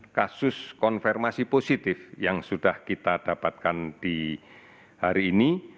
kasus konfirmasi positif yang sudah kita dapatkan di hari ini